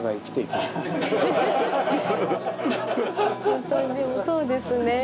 本当にでもそうですね。